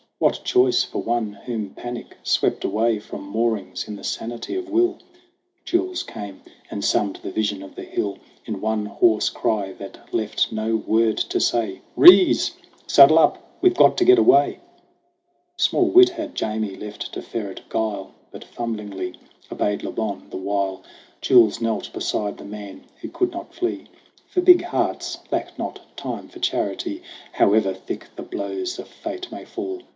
What choice for one whom panic swept away From moorings in the sanity of will ? Jules came and summed the vision of the hill In one hoarse cry that left no word to say : "Rees ! Saddle up ! We've got to get away !" Small wit had Jamie left to ferret guile, But fumblingly obeyed Le Bon ; the while Jules knelt beside the man who could not flee : For big hearts lack not time for charity However thick the blows of fate may fall.